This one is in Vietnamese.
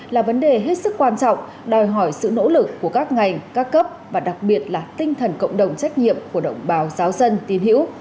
là vấn đề hết sức quan trọng đòi hỏi sự nỗ lực của các ngành các cấp và đặc biệt là tinh thần cộng đồng trách nhiệm của đồng bào giáo dân tin hữu